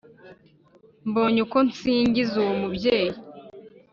mbone uko nsingiza uwo mubyeyi